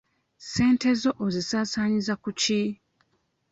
Ssente zo ozisaasaanyiza ku ki?